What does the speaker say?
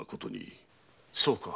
そうか。